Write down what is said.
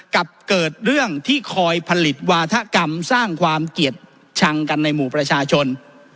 กับเกิดเรื่องที่คอยผลิตวาธกรรมสร้างความเกลียดชังกันในหมู่ประชาชน